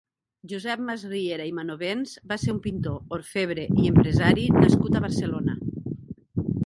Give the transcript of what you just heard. Josep Masriera i Manovens va ser un pintor, orfebre i empresari nascut a Barcelona.